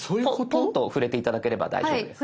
トンと触れて頂ければ大丈夫です。